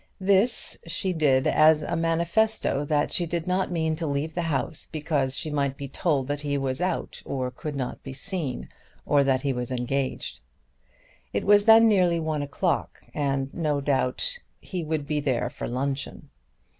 This she did as a manifesto that she did not mean to leave the house because she might be told that he was out or could not be seen, or that he was engaged. It was then nearly one o'clock, and no doubt he would be there for luncheon.